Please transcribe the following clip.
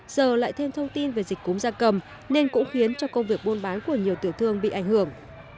giờ lại thêm thông tin về dịch cúm gia cầm nên cũng khiến cho công việc buôn bán của nhiều tiểu thương bị ảnh hưởng